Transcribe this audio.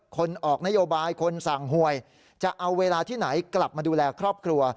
คนออกนโยบายคนสั่งหวยจะเอาเวลาที่ไหนกลับมาดูแลครอบครัว